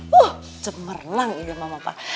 woh cemerlang ide mama pa